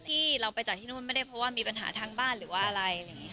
ที่เราไปจากที่นู่นไม่ได้เพราะว่ามีปัญหาทางบ้านหรือว่าอะไร